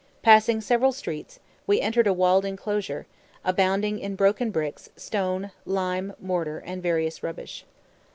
Passing several streets, we entered a walled enclosure, abounding in broken bricks, stone, lime, mortar, and various rubbish.